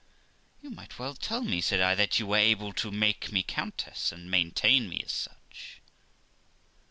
'You might well tell me', said I, 'that you were able to make me countess, and maintain me as such.'